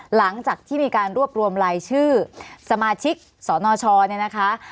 หลังจากที่มีการรวบรวมรายชื่อสมาชิกสนชเนี่ยนะคะ